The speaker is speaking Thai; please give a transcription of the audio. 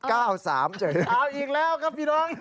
เอาอีกแล้วครับพี่น้อง